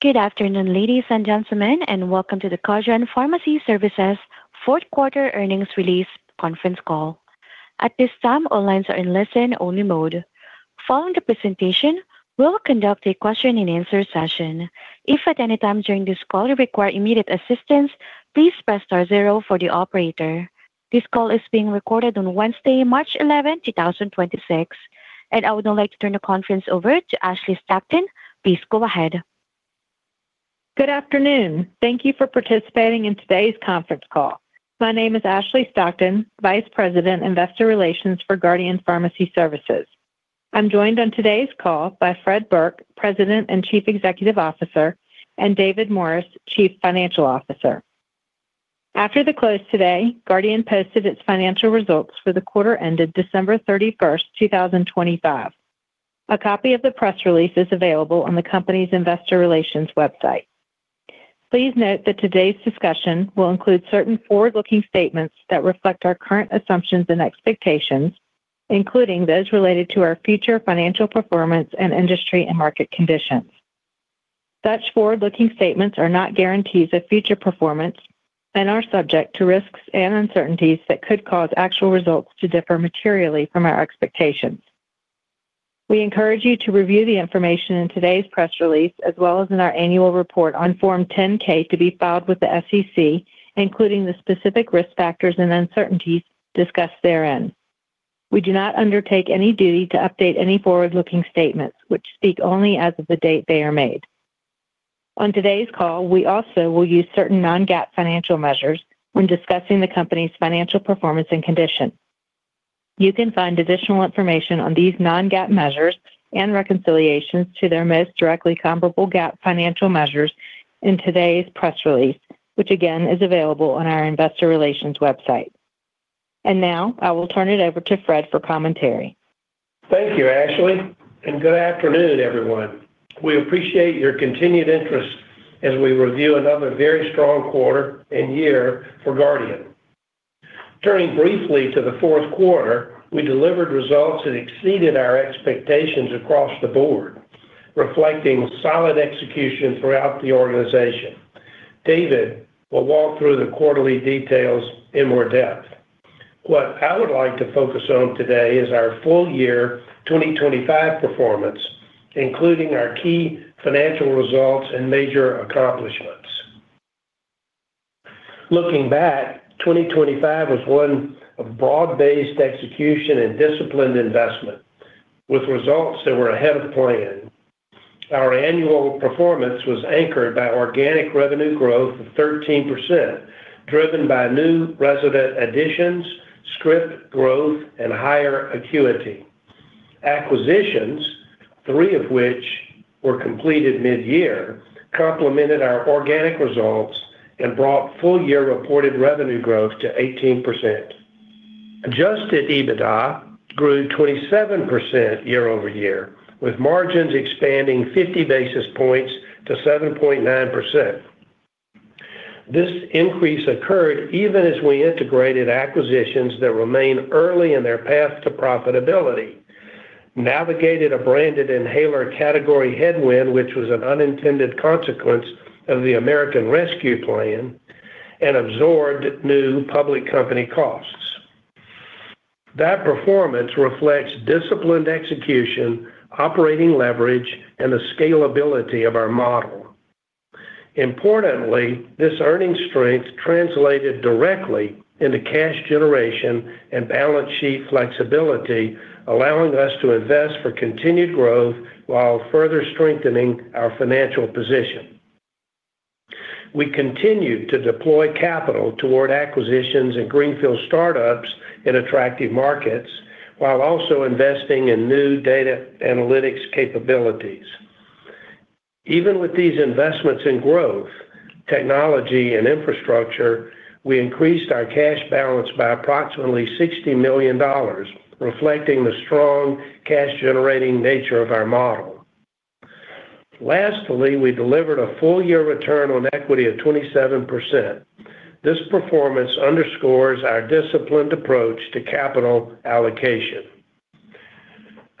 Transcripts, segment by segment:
Good afternoon, ladies and gentlemen, and welcome to the Guardian Pharmacy Services Fourth Quarter Earnings Release Conference Call. At this time, all lines are in listen-only mode. Following the presentation, we'll conduct a question and answer session. If at any time during this call you require immediate assistance, please press star zero for the operator. This call is being recorded on Wednesday, March eleventh, two thousand twenty-six. I would now like to turn the conference over to Ashley Stockton. Please go ahead. Good afternoon. Thank you for participating in today's conference call. My name is Ashley Stockton, Vice President, Investor Relations for Guardian Pharmacy Services. I'm joined on today's call by Fred Burke, President and Chief Executive Officer, and David Morris, Chief Financial Officer. After the close today, Guardian posted its financial results for the quarter ended December 31st, 2025. A copy of the press release is available on the company's investor relations website. Please note that today's discussion will include certain forward-looking statements that reflect our current assumptions and expectations, including those related to our future financial performance and industry and market conditions. Such forward-looking statements are not guarantees of future performance and are subject to risks and uncertainties that could cause actual results to differ materially from our expectations. We encourage you to review the information in today's press release, as well as in our annual report on Form 10-K to be filed with the SEC, including the specific risk factors and uncertainties discussed therein. We do not undertake any duty to update any forward-looking statements which speak only as of the date they are made. On today's call, we also will use certain non-GAAP financial measures when discussing the company's financial performance and condition. You can find additional information on these non-GAAP measures and reconciliations to their most directly comparable GAAP financial measures in today's press release, which again is available on our investor relations website. Now I will turn it over to Fred for commentary. Thank you, Ashley, and good afternoon, everyone. We appreciate your continued interest as we review another very strong quarter and year for Guardian. Turning briefly to the fourth quarter, we delivered results that exceeded our expectations across the board, reflecting solid execution throughout the organization. David will walk through the quarterly details in more depth. What I would like to focus on today is our full-year 2025 performance, including our key financial results and major accomplishments. Looking back, 2025 was one of broad-based execution and disciplined investment, with results that were ahead of plan. Our annual performance was anchored by organic revenue growth of 13%, driven by new resident additions, script growth, and higher acuity. Acquisitions, three of which were completed mid-year, complemented our organic results and brought full-year reported revenue growth to 18%. Adjusted EBITDA grew 27% year-over-year, with margins expanding 50 basis points to 7.9%. This increase occurred even as we integrated acquisitions that remain early in their path to profitability, navigated a branded inhaler category headwind, which was an unintended consequence of the American Rescue Plan, and absorbed new public company costs. That performance reflects disciplined execution, operating leverage, and the scalability of our model. Importantly, this earnings strength translated directly into cash generation and balance sheet flexibility, allowing us to invest for continued growth while further strengthening our financial position. We continued to deploy capital toward acquisitions and greenfield startups in attractive markets, while also investing in new data analytics capabilities. Even with these investments in growth, technology, and infrastructure, we increased our cash balance by approximately $60 million, reflecting the strong cash-generating nature of our model. Lastly, we delivered a full-year return on equity of 27%. This performance underscores our disciplined approach to capital allocation.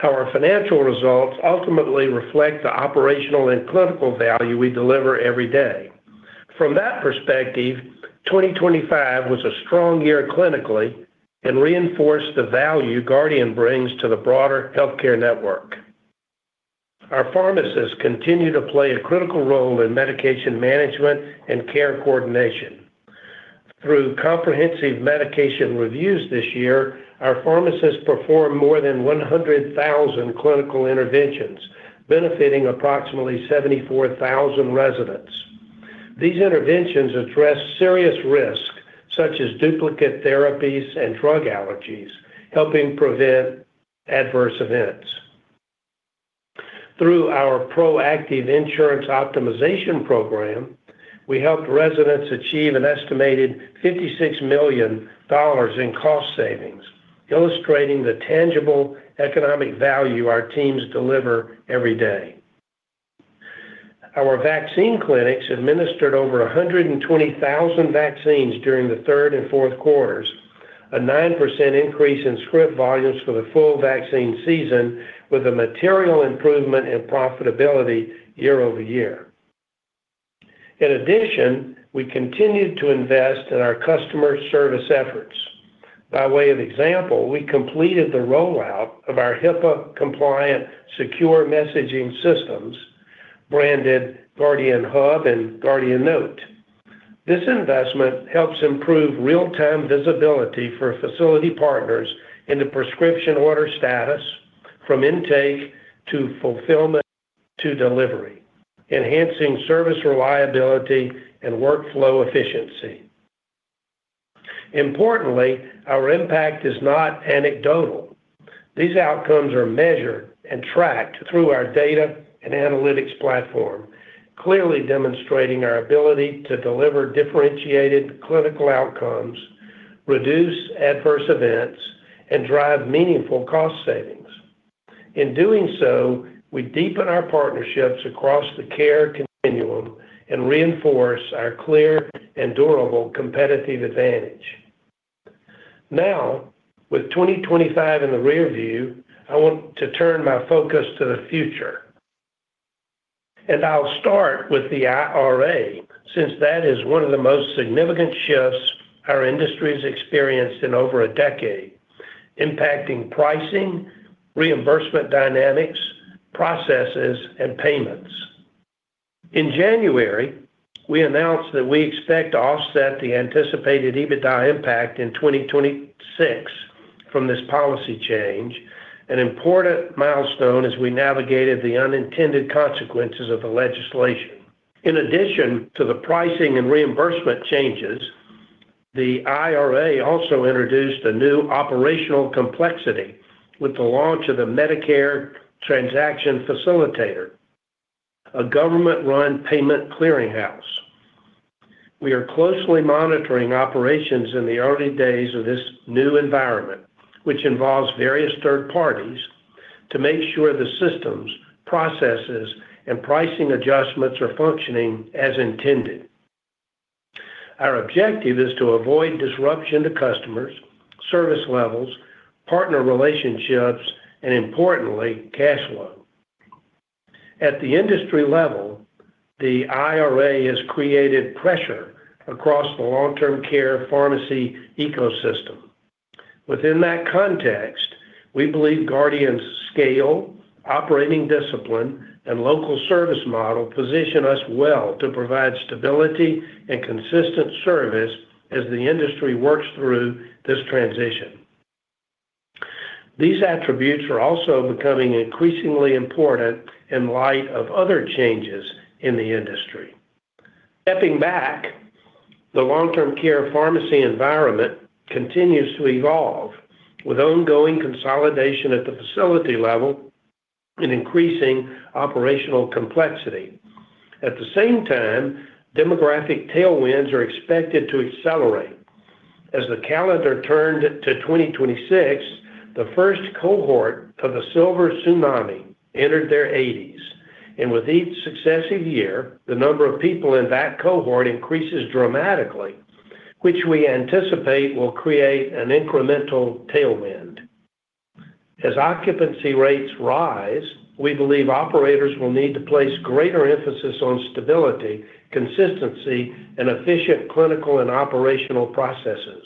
Our financial results ultimately reflect the operational and clinical value we deliver every day. From that perspective, 2025 was a strong year clinically and reinforced the value Guardian brings to the broader healthcare network. Our pharmacists continue to play a critical role in medication management and care coordination. Through comprehensive medication reviews this year, our pharmacists performed more than 100,000 clinical interventions, benefiting approximately 74,000 residents. These interventions address serious risks, such as duplicate therapies and drug allergies, helping prevent adverse events. Through our proactive insurance optimization program, we helped residents achieve an estimated $56 million in cost savings, illustrating the tangible economic value our teams deliver every day. Our vaccine clinics administered over 120,000 vaccines during the third and fourth quarters. A 9% increase in script volumes for the full vaccine season with a material improvement in profitability year-over-year. In addition, we continued to invest in our customer service efforts. By way of example, we completed the rollout of our HIPAA-compliant secure messaging systems branded Guardian Hub and GuardianNote. This investment helps improve real-time visibility for facility partners in the prescription order status from intake to fulfillment to delivery, enhancing service reliability and workflow efficiency. Importantly, our impact is not anecdotal. These outcomes are measured and tracked through our data and analytics platform, clearly demonstrating our ability to deliver differentiated clinical outcomes, reduce adverse events, and drive meaningful cost savings. In doing so, we deepen our partnerships across the care continuum and reinforce our clear and durable competitive advantage. Now, with 2025 in the rearview, I want to turn my focus to the future. I'll start with the IRA, since that is one of the most significant shifts our industry has experienced in over a decade, impacting pricing, reimbursement dynamics, processes, and payments. In January, we announced that we expect to offset the anticipated EBITDA impact in 2026 from this policy change, an important milestone as we navigated the unintended consequences of the legislation. In addition to the pricing and reimbursement changes, the IRA also introduced a new operational complexity with the launch of the Medicare Transaction Facilitator, a government-run payment clearinghouse. We are closely monitoring operations in the early days of this new environment, which involves various third parties, to make sure the systems, processes, and pricing adjustments are functioning as intended. Our objective is to avoid disruption to customers, service levels, partner relationships, and importantly, cash flow. At the industry level, the IRA has created pressure across the long-term care pharmacy ecosystem. Within that context, we believe Guardian's scale, operating discipline, and local service model position us well to provide stability and consistent service as the industry works through this transition. These attributes are also becoming increasingly important in light of other changes in the industry. Stepping back, the long-term care pharmacy environment continues to evolve with ongoing consolidation at the facility level and increasing operational complexity. At the same time, demographic tailwinds are expected to accelerate. As the calendar turned to 2026, the first cohort of the silver tsunami entered their 80s, and with each successive year, the number of people in that cohort increases dramatically, which we anticipate will create an incremental tailwind. As occupancy rates rise, we believe operators will need to place greater emphasis on stability, consistency, and efficient clinical and operational processes.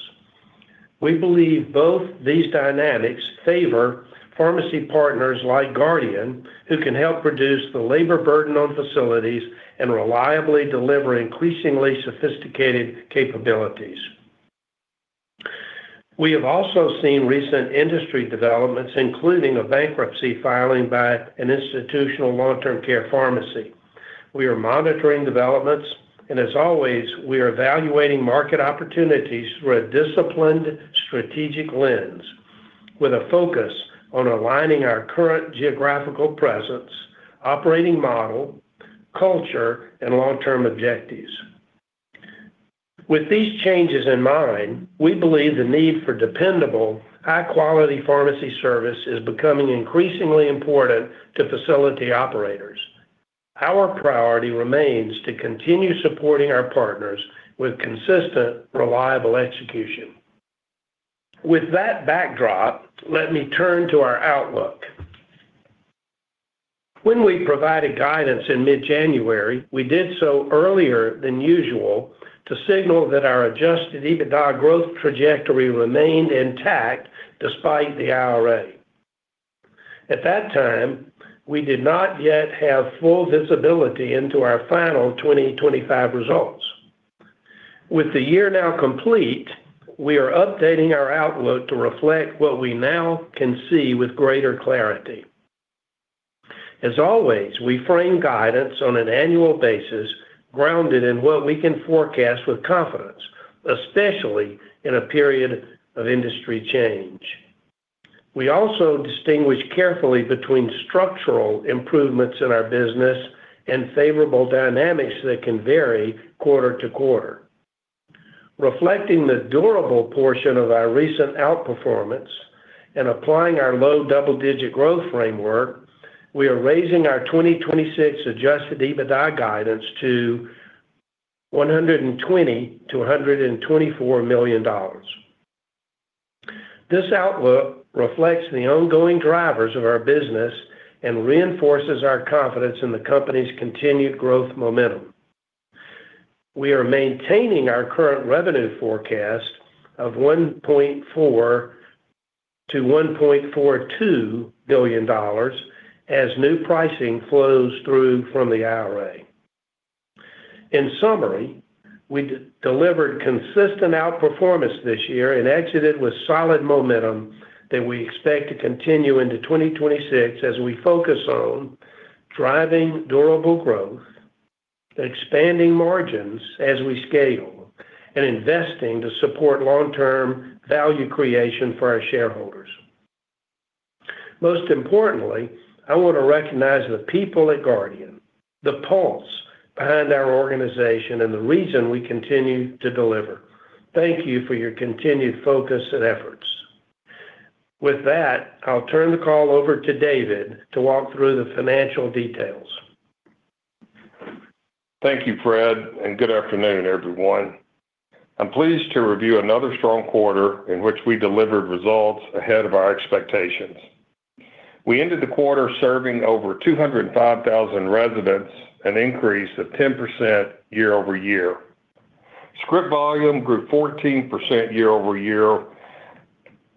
We believe both these dynamics favor pharmacy partners like Guardian who can help reduce the labor burden on facilities and reliably deliver increasingly sophisticated capabilities. We have also seen recent industry developments, including a bankruptcy filing by an institutional long-term care pharmacy. We are monitoring developments, and as always, we are evaluating market opportunities through a disciplined strategic lens with a focus on aligning our current geographical presence, operating model, culture, and long-term objectives. With these changes in mind, we believe the need for dependable, high-quality pharmacy service is becoming increasingly important to facility operators. Our priority remains to continue supporting our partners with consistent, reliable execution. With that backdrop, let me turn to our outlook. When we provided guidance in mid-January, we did so earlier than usual to signal that our adjusted EBITDA growth trajectory remained intact despite the IRA. At that time, we did not yet have full visibility into our final 2025 results. With the year now complete, we are updating our outlook to reflect what we now can see with greater clarity. As always, we frame guidance on an annual basis grounded in what we can forecast with confidence, especially in a period of industry change. We also distinguish carefully between structural improvements in our business and favorable dynamics that can vary quarter to quarter. Reflecting the durable portion of our recent outperformance and applying our low double-digit growth framework, we are raising our 2026 adjusted EBITDA guidance to $120 million-$124 million. This outlook reflects the ongoing drivers of our business and reinforces our confidence in the company's continued growth momentum. We are maintaining our current revenue forecast of $1.4 billion-$1.42 billion as new pricing flows through from the IRA. In summary, we delivered consistent outperformance this year and exited with solid momentum that we expect to continue into 2026 as we focus on driving durable growth, expanding margins as we scale, and investing to support long-term value creation for our shareholders. Most importantly, I want to recognize the people at Guardian, the pulse behind our organization, and the reason we continue to deliver. Thank you for your continued focus and efforts. With that, I'll turn the call over to David to walk through the financial details. Thank you, Fred, and good afternoon, everyone. I'm pleased to review another strong quarter in which we delivered results ahead of our expectations. We ended the quarter serving over 205,000 residents, an increase of 10% year-over-year. Script volume grew 14% year-over-year,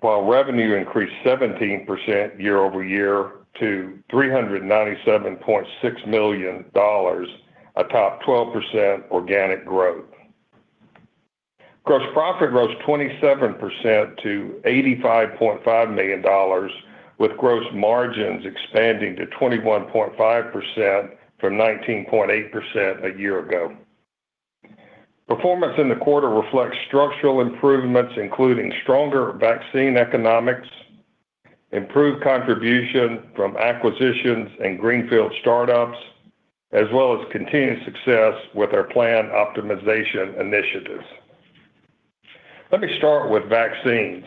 while revenue increased 17% year-over-year to $397.6 million, a top 12% organic growth. Gross profit rose 27% to $85.5 million, with gross margins expanding to 21.5% from 19.8% a year ago. Performance in the quarter reflects structural improvements, including stronger vaccine economics, improved contribution from acquisitions and greenfield startups, as well as continued success with our plan optimization initiatives. Let me start with vaccines.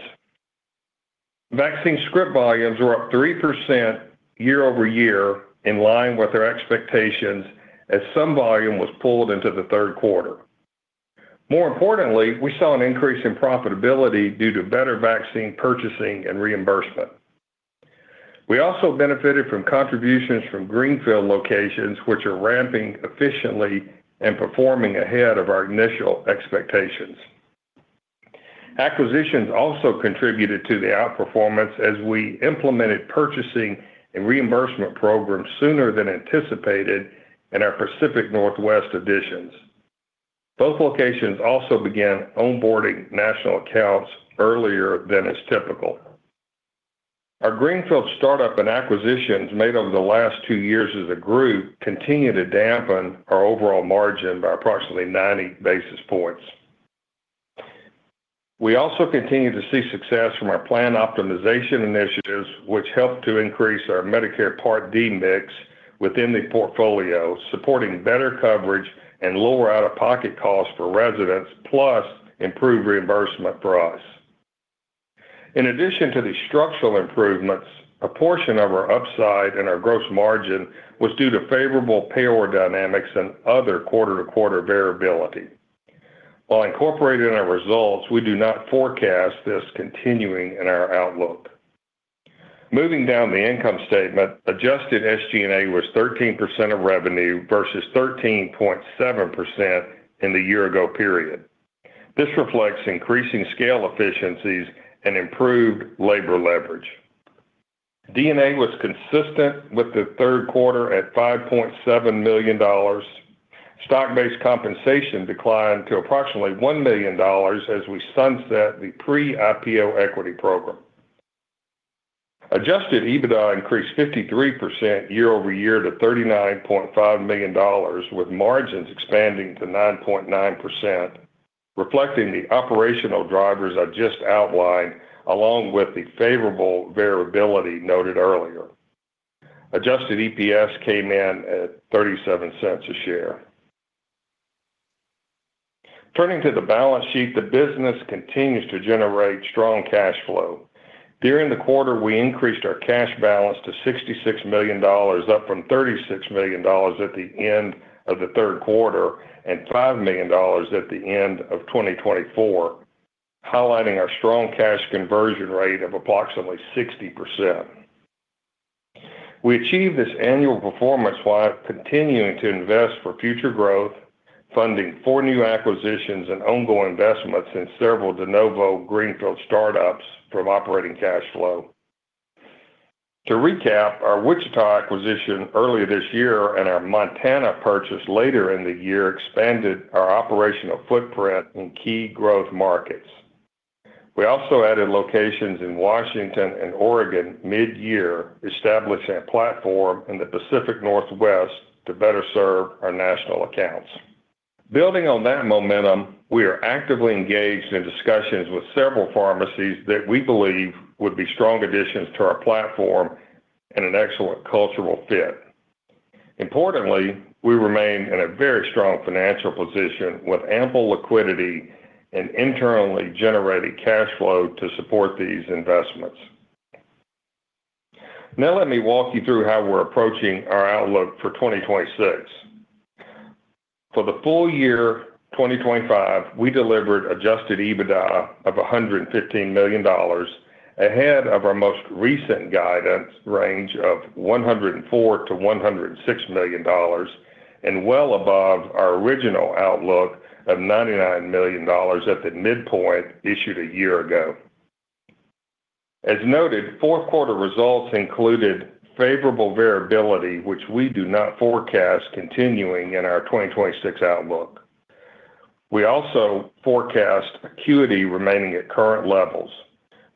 Vaccine script volumes were up 3% year-over-year in line with our expectations as some volume was pulled into the third quarter. More importantly, we saw an increase in profitability due to better vaccine purchasing and reimbursement. We also benefited from contributions from greenfield locations, which are ramping efficiently and performing ahead of our initial expectations. Acquisitions also contributed to the outperformance as we implemented purchasing and reimbursement programs sooner than anticipated in our Pacific Northwest divisions. Those locations also began onboarding national accounts earlier than is typical. Our greenfield startup and acquisitions made over the last two years as a group continue to dampen our overall margin by approximately 90 basis points. We also continue to see success from our plan optimization initiatives, which help to increase our Medicare Part D mix within the portfolio, supporting better coverage and lower out-of-pocket costs for residents, plus improved reimbursement for us. In addition to the structural improvements, a portion of our upside and our gross margin was due to favorable payer dynamics and other quarter-to-quarter variability. While incorporated in our results, we do not forecast this continuing in our outlook. Moving down the income statement, adjusted SG&A was 13% of revenue versus 13.7% in the year ago period. This reflects increasing scale efficiencies and improved labor leverage. D&A was consistent with the third quarter at $5.7 million. Stock-based compensation declined to approximately $1 million as we sunset the pre-IPO equity program. Adjusted EBITDA increased 53% year-over-year to $39.5 million, with margins expanding to 9.9%, reflecting the operational drivers I just outlined, along with the favorable variability noted earlier. Adjusted EPS came in at $0.37 a share. Turning to the balance sheet, the business continues to generate strong cash flow. During the quarter, we increased our cash balance to $66 million, up from $36 million at the end of the third quarter and $5 million at the end of 2024, highlighting our strong cash conversion rate of approximately 60%. We achieved this annual performance while continuing to invest for future growth, funding four new acquisitions and ongoing investments in several de novo greenfield startups from operating cash flow. To recap, our Wichita acquisition earlier this year and our Montana purchase later in the year expanded our operational footprint in key growth markets. We also added locations in Washington and Oregon mid-year, establishing a platform in the Pacific Northwest to better serve our national accounts. Building on that momentum, we are actively engaged in discussions with several pharmacies that we believe would be strong additions to our platform and an excellent cultural fit. Importantly, we remain in a very strong financial position with ample liquidity and internally generated cash flow to support these investments. Now let me walk you through how we're approaching our outlook for 2026. For the full-year 2025, we delivered adjusted EBITDA of $115 million ahead of our most recent guidance range of $104 million-$106 million and well above our original outlook of $99 million at the midpoint issued a year ago. As noted, fourth quarter results included favorable variability, which we do not forecast continuing in our 2026 outlook. We also forecast acuity remaining at current levels.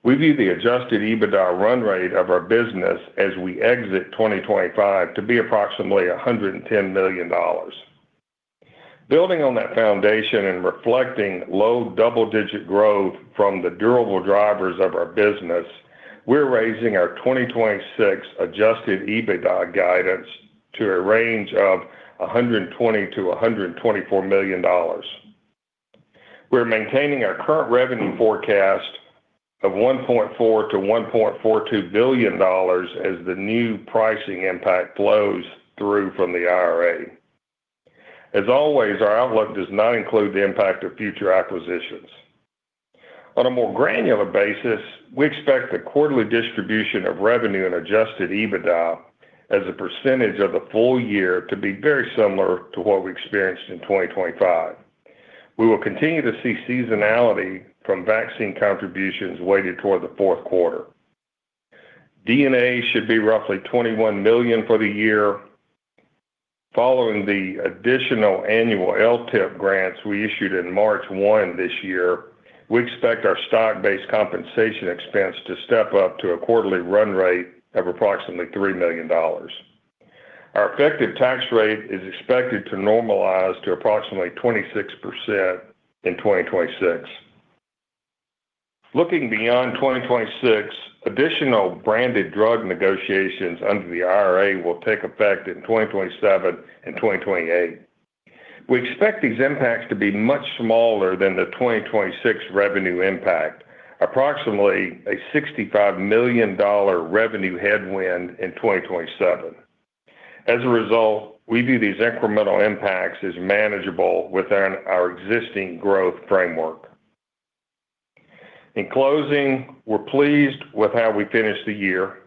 We view the adjusted EBITDA run rate of our business as we exit 2025 to be approximately $110 million. Building on that foundation and reflecting low double-digit growth from the durable drivers of our business, we're raising our 2026 adjusted EBITDA guidance to a range of $120 million-$124 million. We're maintaining our current revenue forecast of $1.4 billion-$1.42 billion as the new pricing impact flows through from the IRA. As always, our outlook does not include the impact of future acquisitions. On a more granular basis, we expect the quarterly distribution of revenue and adjusted EBITDA as a percentage of the full-year to be very similar to what we experienced in 2025. We will continue to see seasonality from vaccine contributions weighted toward the fourth quarter. D&A should be roughly $21 million for the year. Following the additional annual LTIP grants we issued in March 1 this year, we expect our stock-based compensation expense to step up to a quarterly run rate of approximately $3 million. Our effective tax rate is expected to normalize to approximately 26% in 2026. Looking beyond 2026, additional branded drug negotiations under the IRA will take effect in 2027 and 2028. We expect these impacts to be much smaller than the 2026 revenue impact, approximately a $65 million revenue headwind in 2027. As a result, we view these incremental impacts as manageable within our existing growth framework. In closing, we're pleased with how we finished the year.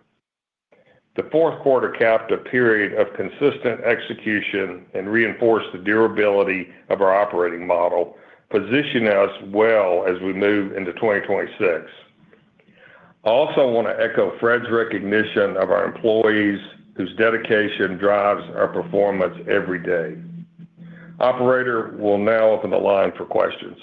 The fourth quarter capped a period of consistent execution and reinforced the durability of our operating model, positioning us well as we move into 2026. I also wanna echo Fred's recognition of our employees whose dedication drives our performance every day. Operator, we'll now open the line for questions.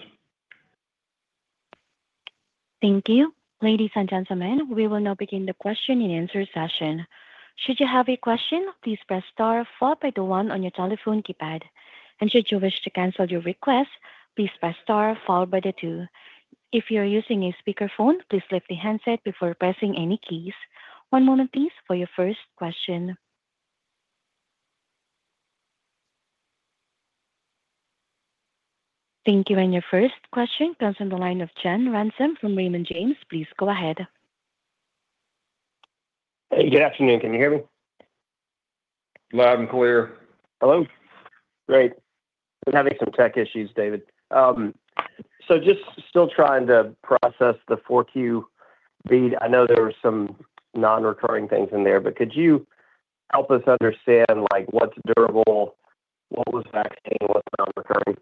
Thank you. Ladies and gentlemen, we will now begin the question and answer session. Should you have a question, please press star followed by the one on your telephone keypad. And should you wish to cancel your request, please press star followed by the two. If you're using a speakerphone, please lift the handset before pressing any keys. One moment please for your first question. Thank you. Your first question comes from the line of John Ransom from Raymond James. Please go ahead. Hey, good afternoon. Can you hear me? Loud and clear. Hello. Great. Was having some tech issues, David. So just still trying to process the 4Q read. I know there were some non-recurring things in there, but could you help us understand, like, what's durable, what was vaccine, what's non-recurring, in the quarter?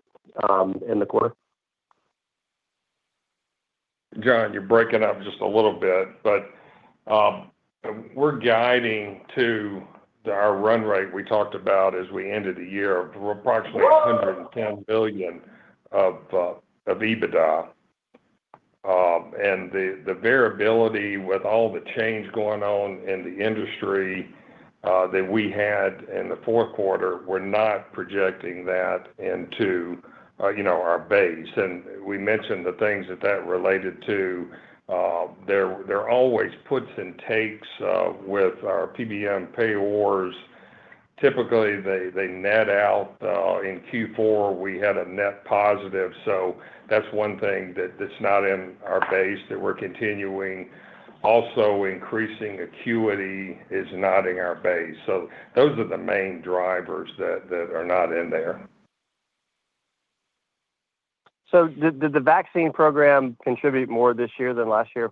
John, you're breaking up just a little bit, but we're guiding to our run rate we talked about as we ended the year of approximately $110 billion of EBITDA. The variability with all the change going on in the industry that we had in the fourth quarter, we're not projecting that into you know, our base. We mentioned the things that related to, there are always puts and takes with our PBM payer wars. Typically, they net out. In Q4, we had a net positive, so that's one thing that's not in our base that we're continuing. Also, increasing acuity is not in our base. Those are the main drivers that are not in there. Did the vaccine program contribute more this year than last year?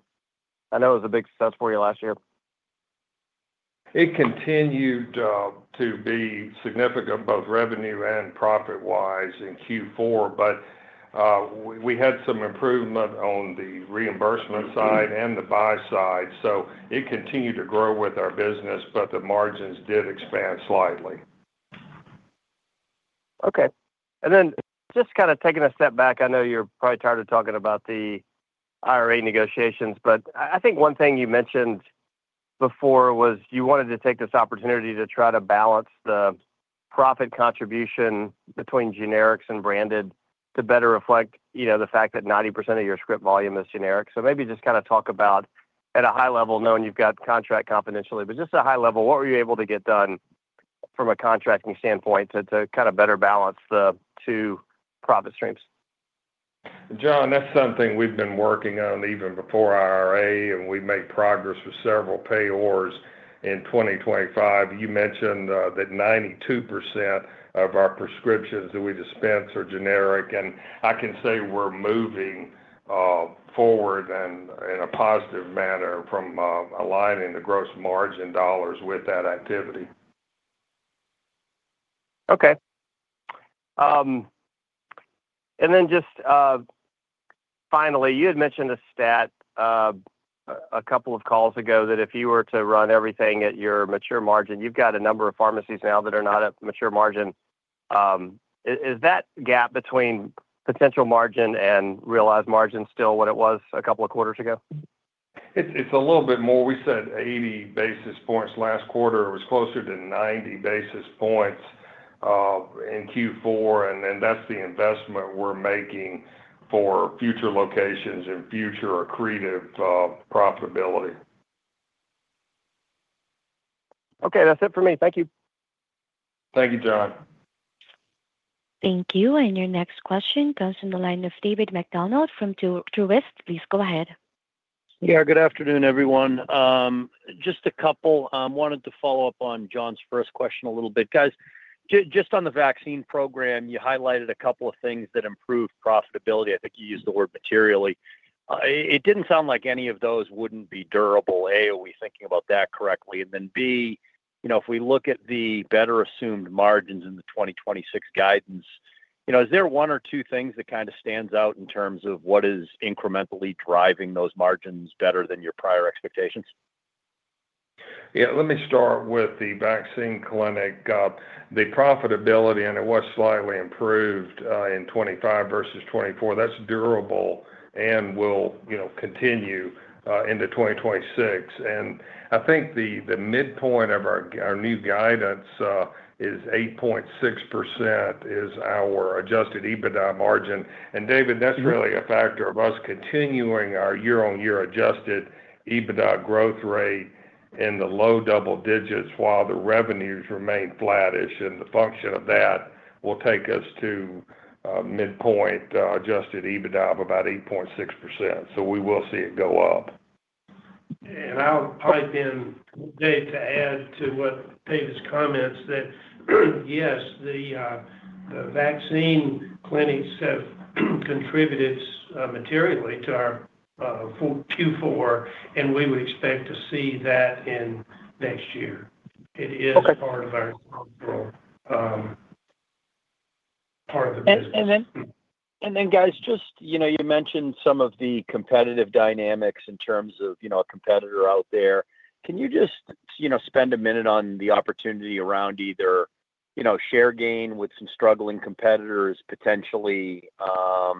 I know it was a big success for you last year. It continued to be significant both revenue and profit-wise in Q4, but we had some improvement on the reimbursement side and the buy side. It continued to grow with our business, but the margins did expand slightly. Okay. Then just kinda taking a step back, I know you're probably tired of talking about the IRA negotiations, but I think one thing you mentioned before was you wanted to take this opportunity to try to balance the profit contribution between generics and branded to better reflect, you know, the fact that 90% of your script volume is generic. Maybe just kinda talk about at a high level, knowing you've got contract confidentiality, but just at a high level, what were you able to get done from a contracting standpoint to kind of better balance the two profit streams? John, that's something we've been working on even before IRA, and we've made progress with several payers in 2025. You mentioned that 92% of our prescriptions that we dispense are generic, and I can say we're moving forward and in a positive manner from aligning the gross margin dollars with that activity. Okay. Just finally, you had mentioned a stat a couple of calls ago that if you were to run everything at your mature margin, you've got a number of pharmacies now that are not at mature margin. Is that gap between potential margin and realized margin still what it was a couple of quarters ago? It's a little bit more. We said 80 basis points last quarter. It was closer to 90 basis points in Q4. That's the investment we're making for future locations and future accretive profitability. Okay. That's it for me. Thank you. Thank you, John. Thank you. Your next question comes from the line of David MacDonald from Truist. Please go ahead. Yeah, good afternoon, everyone. Just a couple—wanted to follow up on John's first question a little bit. Guys, just on the vaccine program, you highlighted a couple of things that improved profitability. I think you used the word materially. It didn't sound like any of those wouldn't be durable. A, are we thinking about that correctly? B, you know, if we look at the better assumed margins in the 2026 guidance, you know, is there one or two things that kind of stands out in terms of what is incrementally driving those margins better than your prior expectations? Yeah. Let me start with the vaccine clinic. The profitability and it was slightly improved in 2025 versus 2024, that's durable and will, you know, continue into 2026. I think the midpoint of our new guidance is 8.6%, our adjusted EBITDA margin. David, that's really a factor of us continuing our year-on-year adjusted EBITDA growth rate in the low double digits while the revenues remain flattish. The function of that will take us to midpoint adjusted EBITDA of about 8.6%. We will see it go up. I'll pipe in, Dave, to add to what David's comments that, yes, the vaccine clinics have contributed materially to our Q4, and we would expect to see that in next year. Okay. It is part of our long-term part of the business. Guys, just, you know, you mentioned some of the competitive dynamics in terms of, you know, a competitor out there. Can you just, you know, spend a minute on the opportunity around either, you know, share gain with some struggling competitors, potentially, you know,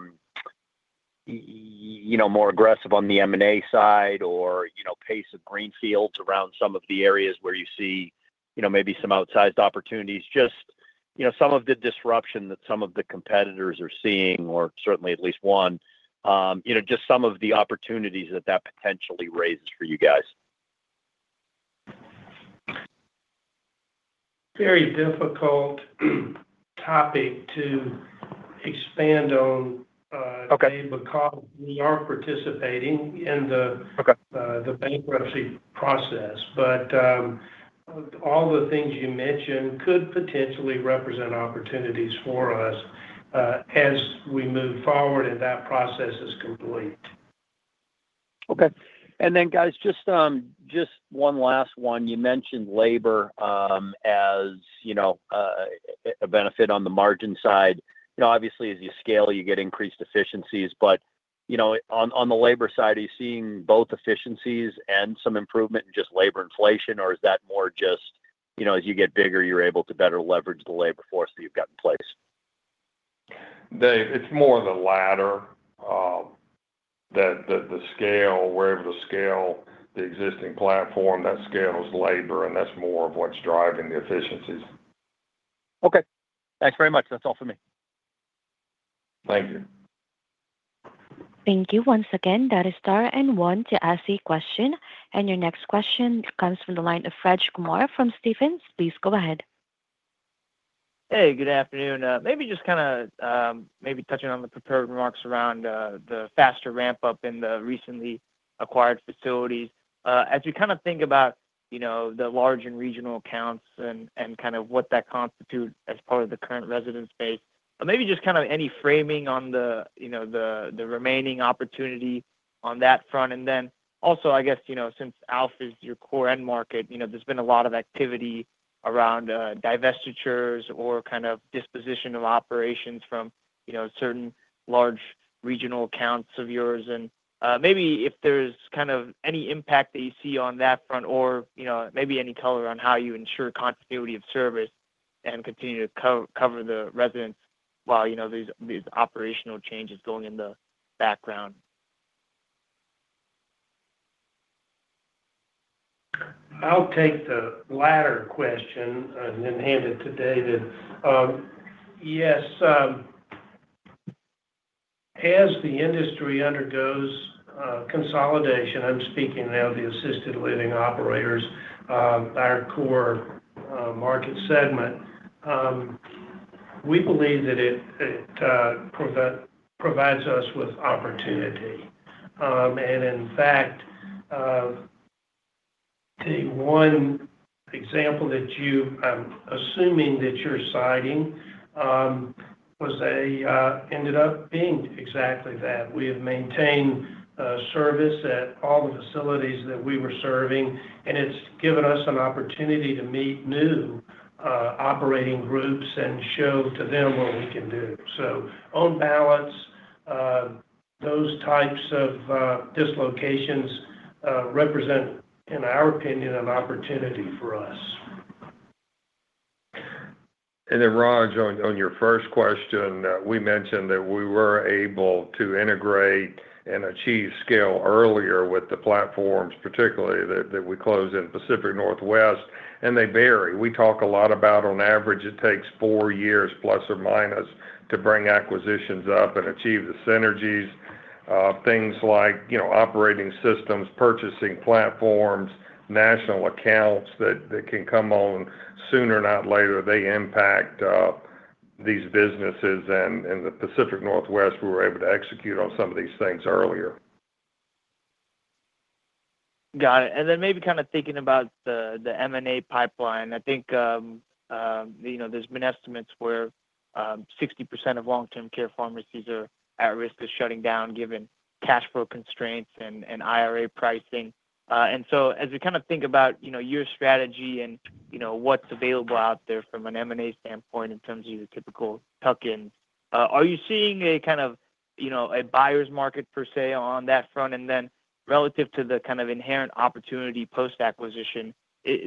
more aggressive on the M&A side or, you know, pace of greenfields around some of the areas where you see, you know, maybe some outsized opportunities, just, you know, some of the disruption that some of the competitors are seeing, or certainly at least one, you know, just some of the opportunities that that potentially raises for you guys? Very difficult topic to expand on. Okay Dave, because we are participating in the bankruptcy process. All the things you mentioned could potentially represent opportunities for us, as we move forward and that process is complete. Okay. Guys, just one last one. You mentioned labor as, you know, a benefit on the margin side. You know, obviously, as you scale, you get increased efficiencies. You know, on the labor side, are you seeing both efficiencies and some improvement in just labor inflation, or is that more just, you know, as you get bigger, you're able to better leverage the labor force that you've got in place? Dave, it's more the latter, that the scale, we're able to scale the existing platform that scales labor, and that's more of what's driving the efficiencies. Okay. Thanks very much. That's all for me. Thank you. Thank you. Once again, that is star and one to ask a question. Your next question comes from the line of Raj Kumar from Stephens. Please go ahead. Hey, good afternoon. Maybe just kinda touching on the prepared remarks around the faster ramp-up in the recently acquired facilities. As you kinda think about, you know, the large and regional accounts and kind of what that constitute as part of the current resident space, maybe just kind of any framing on the, you know, the remaining opportunity on that front. Then also, I guess, you know, since ALF is your core end market, you know, there's been a lot of activity around divestitures or kind of disposition of operations from, you know, certain large regional accounts of yours. Maybe if there's kind of any impact that you see on that front or, you know, maybe any color on how you ensure continuity of service and continue to co-cover the residents while, you know, these operational changes going in the background? I'll take the latter question and then hand it to David. Yes, as the industry undergoes consolidation, I'm speaking now of the assisted living operators, our core market segment, we believe that it provides us with opportunity. In fact, the one example, I'm assuming that you're citing was ended up being exactly that. We have maintained service at all the facilities that we were serving, and it's given us an opportunity to meet new operating groups and show to them what we can do. On balance, those types of dislocations represent, in our opinion, an opportunity for us. Raj, on your first question, we mentioned that we were able to integrate and achieve scale earlier with the platforms particularly that we closed in Pacific Northwest, and they vary. We talk a lot about on average it takes four years plus or minus to bring acquisitions up and achieve the synergies of things like, you know, operating systems, purchasing platforms, national accounts that can come on sooner or not later. They impact these businesses, and in the Pacific Northwest, we were able to execute on some of these things earlier. Got it. Maybe kind of thinking about the M&A pipeline. I think, you know, there's been estimates where, 60% of long-term care pharmacies are at risk of shutting down given cash flow constraints and IRA pricing. As we kind of think about, you know, your strategy and, you know, what's available out there from an M&A standpoint in terms of your typical tuck-ins, are you seeing a kind of, you know, a buyer's market per se on that front? Relative to the kind of inherent opportunity post-acquisition,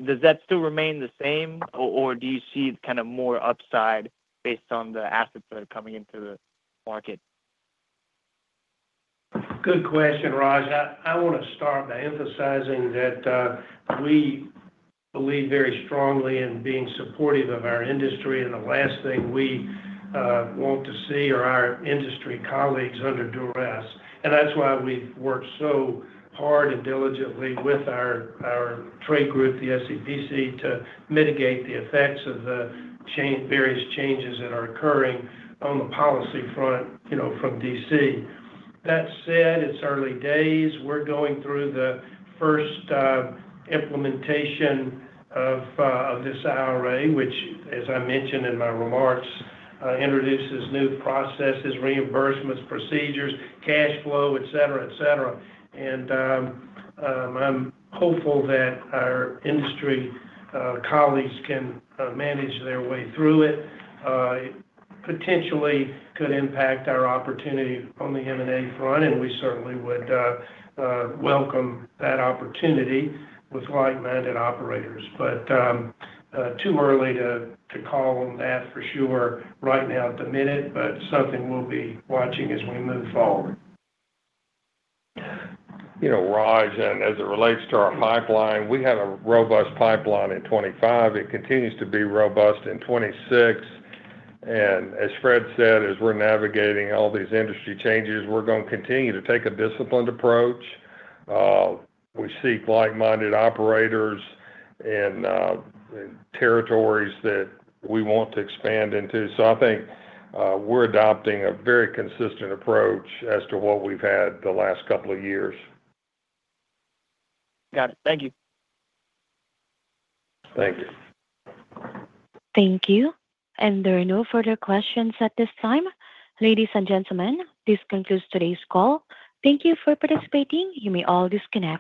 does that still remain the same or do you see kind of more upside based on the assets that are coming into the market? Good question, Raj. I wanna start by emphasizing that we believe very strongly in being supportive of our industry, and the last thing we want to see are our industry colleagues under duress. That's why we've worked so hard and diligently with our trade group, the SCPC, to mitigate the effects of various changes that are occurring on the policy front, you know, from D.C. That said, it's early days. We're going through the first implementation of this IRA, which as I mentioned in my remarks introduces new processes, reimbursements, procedures, cash flow, et cetera, et cetera. I'm hopeful that our industry colleagues can manage their way through it. It potentially could impact our opportunity on the M&A front, and we certainly would welcome that opportunity with like-minded operators.It's too early to call on that for sure right now at the minute, but something we'll be watching as we move forward. You know, Raj, as it relates to our pipeline, we had a robust pipeline in 2025. It continues to be robust in 2026. As Fred said, as we're navigating all these industry changes, we're gonna continue to take a disciplined approach. We seek like-minded operators in territories that we want to expand into. I think we're adopting a very consistent approach as to what we've had the last couple of years. Got it. Thank you. Thank you. Thank you. There are no further questions at this time. Ladies and gentlemen, this concludes today's call. Thank you for participating. You may all disconnect.